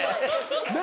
何？